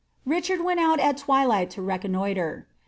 Richard went out at twilight to reconnoitre.